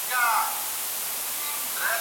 بل غوښتلې ځان وژنه یو ځانګړی ډول دی.